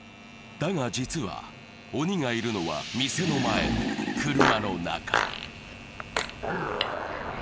だが実は、鬼がいるのは店の前、車の中。